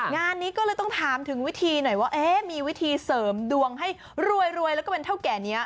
งานนี้ก็เลยต้องถามถึงวิธีหน่อยว่ามีวิธีเสริมดวงให้รวยแล้วก็เป็นเท่าแก่นี้